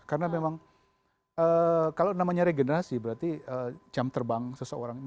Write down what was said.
karena memang kalau namanya regenerasi berarti jam terbang seseorang